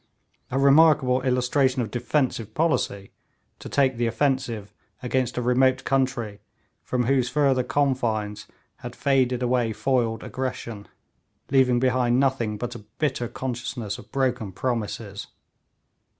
A remarkable illustration of 'defensive policy' to take the offensive against a remote country from whose further confines had faded away foiled aggression, leaving behind nothing but a bitter consciousness of broken promises!